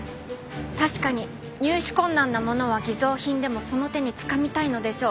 確かに入手困難なものは偽造品でもその手につかみたいのでしょう。